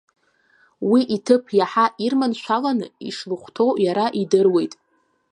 Уи иҭыԥ иаҳа ирманшәаланы ишылхтәу иара идыруеит.